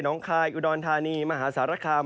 นองคลายอุดอนธานีมหาสารคาม